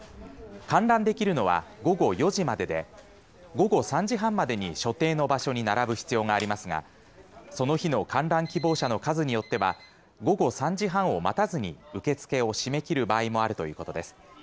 観覧できるのは午後４時までで午後３時半までに所定の場所に並ぶ必要がありますがその日の観覧希望者の数によっては午後３時半を待たずに受け付けを締め切る場合もあるということです。